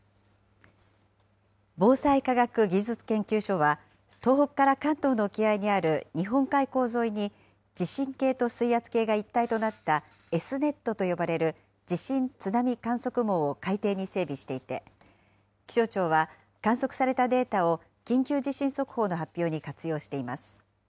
防災科学技術研究所は、東北から関東の沖合にある日本海溝沿いに地震計と水圧計が一体となったＳーｎｅｔと呼ばれる地震津波観測網を海底に整備していて、気象庁は観測されたデータを緊急地震速報の発表に活用しています。